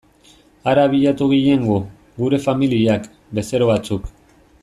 Hara abiatu ginen gu, gure familiak, bezero batzuk...